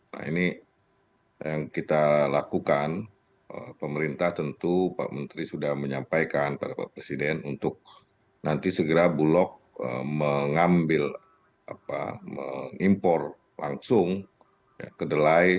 nah ini yang kita lakukan pemerintah tentu pak menteri sudah menyampaikan pada pak presiden untuk nanti segera bulog mengambil apa mengimpor langsung kedelai